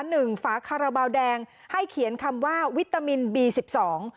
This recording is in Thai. ฝาคาราบาลแดงให้เขียนคำว่าวิตามินบีสิบสอง